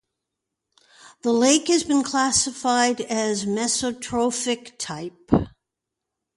The lake has been classified as mesotrophic type.